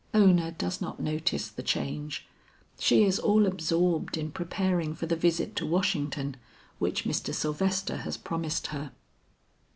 Ona does not notice the change; she is all absorbed in preparing for the visit to Washington, which Mr. Sylvester has promised her."